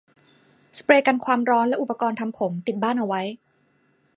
สเปรย์กันความร้อน และอุปกรณ์ทำผม ติดบ้านเอาไว้